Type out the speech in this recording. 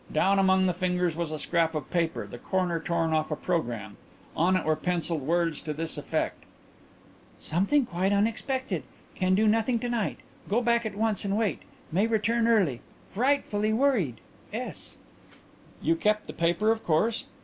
Down among the fingers was a scrap of paper the corner torn off a programme. On it were pencilled words to this effect: "'Something quite unexpected. Can do nothing to night. Go back at once and wait. May return early. Frightfully worried. S.'" "You kept the paper, of course?"